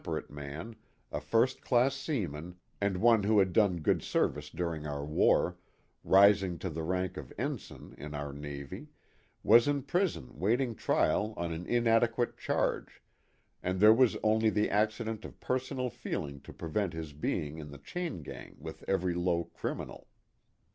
153 perate man, a first class seaman, and one who had done good service during our war, rising to the rank of ensign in our Navy, was in prison waiting trial on an inadequate charge, and there was only the accident of personal feeling to prevent his being in the chain gang with every low criminal.